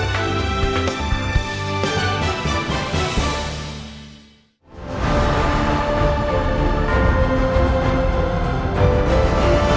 xin cảm ơn ông